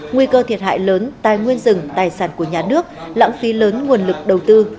nguy cơ thiệt hại lớn tài nguyên rừng tài sản của nhà nước lãng phí lớn nguồn lực đầu tư